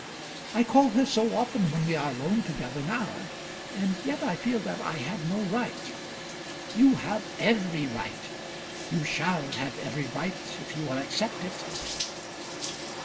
"I call her so often when we are alone together, now; and yet I feel that I have no right." "You have every right. You shall have every right if you will accept it.